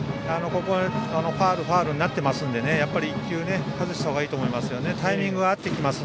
ファウル、ファウルになっていますので１球外したほうがいいと思います。